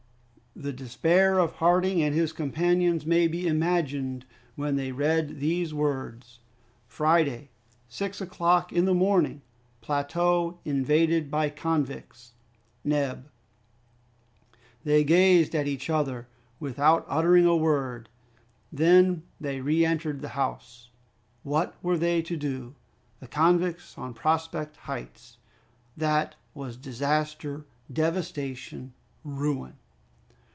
The despair of Harding and his companions may be imagined when they read these words: "Friday, six o'clock in the morning. "Plateau invaded by convicts. "Neb." They gazed at each other without uttering a word, then they re entered the house. What were they to do? The convicts on Prospect Heights! that was disaster, devastation, ruin.